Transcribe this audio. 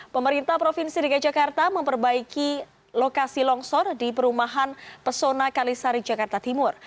pemerintah provinsi dki jakarta memperbaiki lokasi longsor di perumahan pesona kalisari jakarta timur